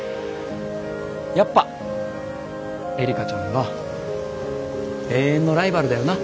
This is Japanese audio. やっぱえりかちゃんは永遠のライバルだよな。